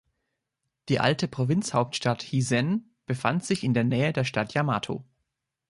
Die alte Provinzhauptstadt Hizen befand sich in der Nähe der Stadt Yamato.